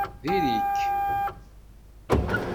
Diri-k!